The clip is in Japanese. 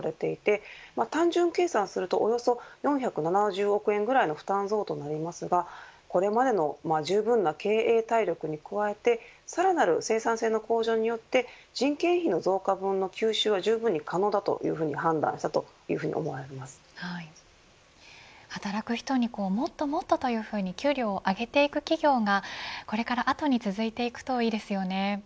今回の取り組みによって年間の人件費は１５％増と言われていて単純計算するとおよそ４７０億円ぐらいの負担増となりますがこれまでのじゅうぶんな経営体力に加えてさらなる生産性の向上によって人件費の増加分の吸収はじゅうぶんに可能だというふうに判断したと働く人に、もっともっとというふうに給料を上げていく企業がこれから後に続いていくといいですよね。